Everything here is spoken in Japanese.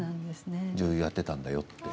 女優をやってたんだよと。